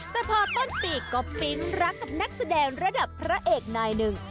แต่พอต้นปีก็ปิ๊งรักกับนักแสดงระดับพระเอกนายหนึ่ง